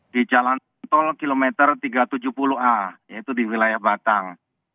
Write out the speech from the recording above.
di jalan tol kilometer tiga ratus tujuh puluh a yaitu di wilayah batang